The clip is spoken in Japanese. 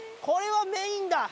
これはメインだ。